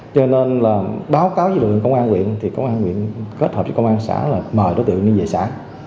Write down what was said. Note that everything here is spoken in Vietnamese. cho nên báo cáo cho lực lượng công an huyện thì công an huyện kết hợp với công an xã mời đối tượng đi về xã